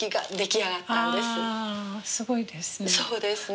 あすごいですね。